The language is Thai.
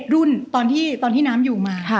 รุ่นตอนที่น้ำอยู่มา